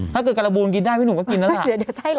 ถ้าเกิดการบูนกินได้พี่หนุ่มก็กินแล้วสักเดี๋ยวใช่เหรอ